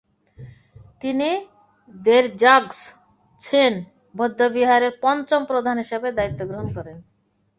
তিনি র্দ্জোগ্স-ছেন বৌদ্ধবিহারের পঞ্চম প্রধান হিসেবে দায়িত্ব গ্রহণ করেন।